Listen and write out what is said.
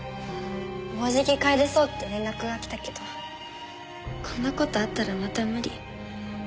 もうじき帰れそうって連絡が来たけどこんな事あったらまた無理。